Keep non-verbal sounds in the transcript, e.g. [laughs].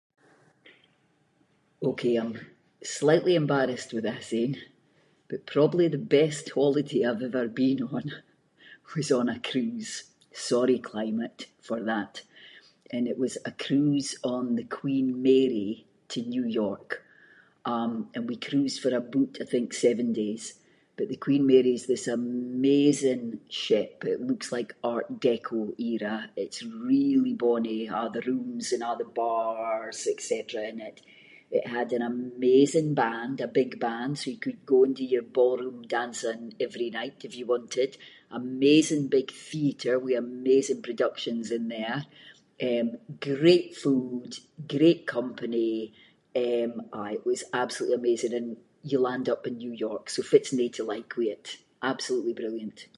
Ok, I’m slightly embarrassed with this ain, but probably the best holiday I’ve ever been on [laughs] was on a cruise, sorry climate for that, and it was a cruise on the Queen Mary to New York, um, and we cruised for aboot I think seven days, but the Queen Mary’s this amazing ship, it looks like art deco era, it’s really bonnie, a’ the rooms and a’ the bars et cetera in it, it had an amazing band, a big band, so you could go and do your ballroom dancing every night if you wanted, amazing big theatre with amazing productions in there, eh, great food, great company, eh, aye it was absolutely amazing, and you land up in New York, so fitt’s no to like with it, absolutely brilliant.